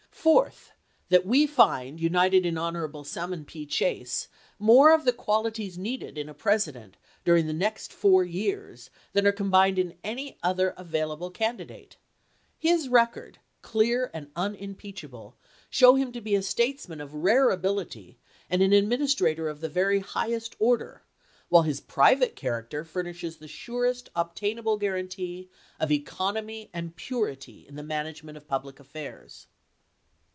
Fourth, that we find united in Hon. Salmon P. Chase more of the qualities needed in a President during the next four years than are com bined in any other available candidate ; his record, clear and unimpeachable, showing him to be a statesman of rare ability and an administrator of the very highest order, while his private character furnishes the surest obtainable guarantee of economy and purity in the management of public affairs.